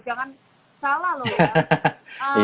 jangan salah loh